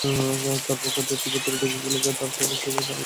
তারপর খদ্দেরটি ভেতরে ঢুকে গেলে তারা সহর্ষে আওয়াজ দিয়ে ওঠে বিজয়োল্লাসের মতো।